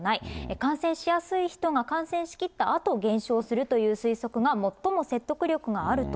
感染者しやすい人が感染しきったあと、減少するという推測が最も説得力があると。